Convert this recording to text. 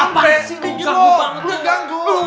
apaan sih lu ganggu banget